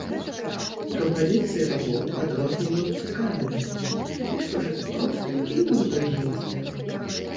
Кампазіцыі работ адрозніваюцца камернасцю, іх сюжэты простыя і немудрагелістыя.